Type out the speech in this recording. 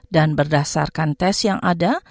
dan berdasarkan tes yang ada